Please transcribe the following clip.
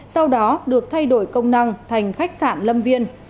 sau đó được thay đổi công năng thành khách sạn lâm viên